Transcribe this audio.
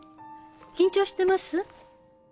緊張してます？